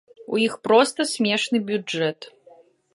У іх проста смешны бюджэт.